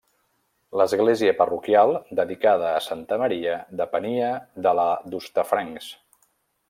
L'església parroquial, dedicada a Santa Maria, depenia de la d'Hostafrancs.